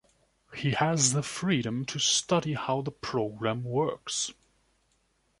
He has the freedom to study how the program works.